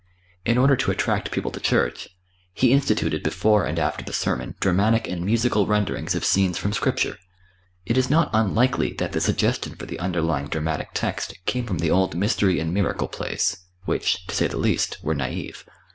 In order to attract people to church, he instituted before and after the sermon dramatic and musical renderings of scenes from Scripture. It is not unlikely that the suggestion for the underlying dramatic text came from the old Mystery and Miracle plays, which, to say the least, were naive.